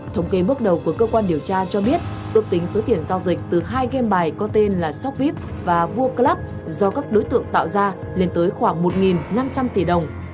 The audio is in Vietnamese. thống kê bước đầu của cơ quan điều tra cho biết ước tính số tiền giao dịch từ hai game bài có tên là shop vip và voul club do các đối tượng tạo ra lên tới khoảng một năm trăm linh tỷ đồng